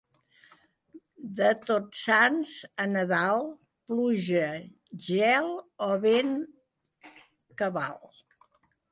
De Tots Sants a Nadal, pluja, gel o vent cabal.